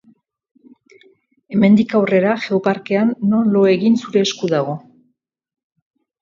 Hemendik aurrera, Geoparkean non lo egin zure esku dago.